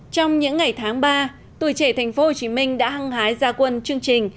trong những ngày tháng ba tuổi trẻ tp hcm đã hăng hái ra quân chương trình